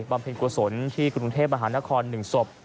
นำกลับไปบำพินกุศลที่กรุงเทพฯมหานคร๑ศพ